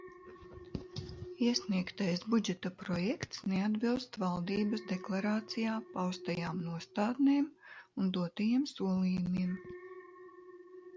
Iesniegtais budžeta projekts neatbilst Valdības deklarācijā paustajām nostādnēm un dotajiem solījumiem.